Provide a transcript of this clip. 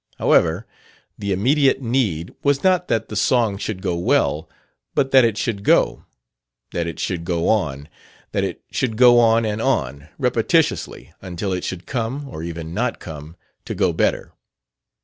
However, the immediate need was not that the song should go well, but that it should go: that it should go on, that it should go on and on, repetitiously, until it should come (or even not come) to go better.